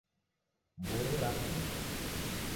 Mburi rafungwa